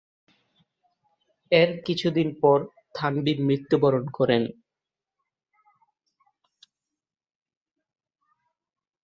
এর কিছুদিন পর থানভী মৃত্যুবরণ করেন।